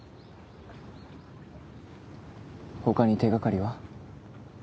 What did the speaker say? ほかに手がかりは？